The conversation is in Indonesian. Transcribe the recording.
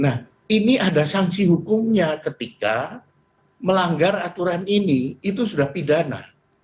nah ini ada sanksi hukumnya ketika melanggar aturan ini itu sudah pidana